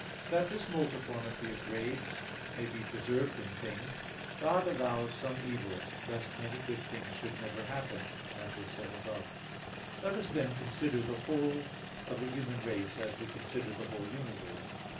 That this multiformity of grades may be preserved in things, God allows some evils, lest many good things should never happen, as was said above (Q. 22, A. 2). Let us then consider the whole of the human race, as we consider the whole universe.